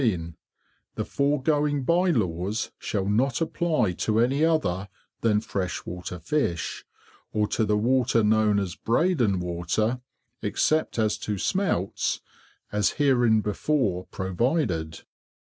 The foregoing Bye laws shall not apply to any other than fresh water Fish, or to the water known as Breydon Water, except as to Smelts, as hereinbefore provided.